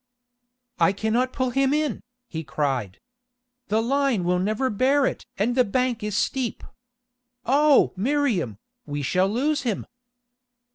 "I cannot pull him in," he cried. "The line will never bear it and the bank is steep. Oh! Miriam, we shall lose him!"